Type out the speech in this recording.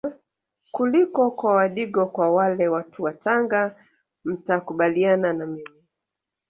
kuliko kwa wadigo kwa wale watu wa Tanga mtakubaliana na mimi